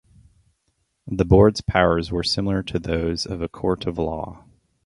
The Board's powers were similar to those of a court of law.